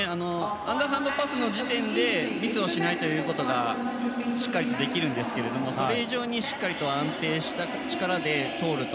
アンダーハンドパスの時点でミスをしないということがしっかりとできるんですけどそれ以上にしっかり定した力で通ると。